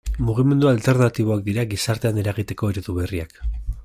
Mugimendu alternatiboak dira gizartean eragiteko eredu berriak.